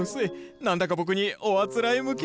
何だか僕におあつらえ向きですよ。